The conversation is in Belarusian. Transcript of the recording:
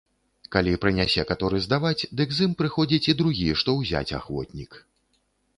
Калі прынясе каторы здаваць, дык з ім прыходзіць і другі, што ўзяць ахвотнік.